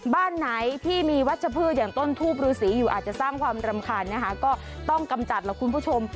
บ้านไหนที่มีวัชพืชอย่างต้นทูบรูสีอยู่อาจจะสร้างความรำคาญนะคะก็ต้องกำจัดล่ะคุณผู้ชม